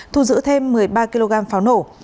thu giữ thêm một mươi ba kg pháo nổ